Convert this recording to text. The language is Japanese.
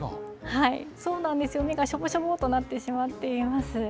そうなんですよ、目がしょぼしょぼっとなってしまっています。